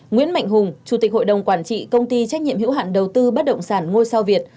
nguyễn mạnh hùng chủ tịch hội đồng quản trị công ty trách nhiệm hữu hạn đầu tư bất động sản ngôi sao việt